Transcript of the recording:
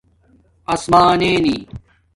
آسمانینی